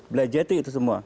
belajeti itu semua